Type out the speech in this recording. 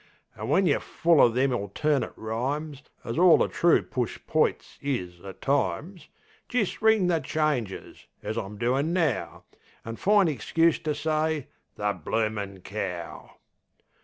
An' when yer full o' them alternate rhymes As all the true push poits is at times Jist ring the changes, as I'm doin' now; An' find ixcuse to say: "The bloomin' cow!"